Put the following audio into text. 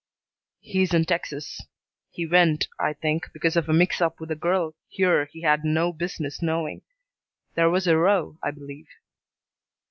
"He's in Texas. He went, I think, because of a mix up with a girl here he had no business knowing. There was a row, I believe."